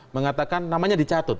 mengatakan namanya dicatut